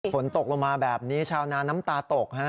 ฝนตกลงมาแบบนี้ชาวนาน้ำตาตกฮะ